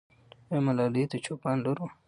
آیا ملالۍ د چوپان لور وه؟